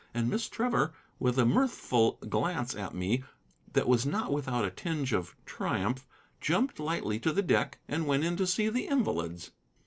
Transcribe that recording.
And Miss Trevor, with a mirthful glance at me that was not without a tinge of triumph, jumped lightly to the deck and went in to see the invalids.